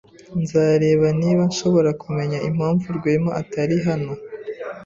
Nzareba niba nshobora kumenya impamvu Rwema atari hano.